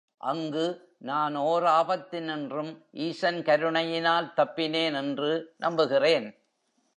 அங்கு நான் ஓர் ஆபத்தினின்றும் ஈசன் கருணையினால் தப்பினேன் என்று நம்புகிறேன்.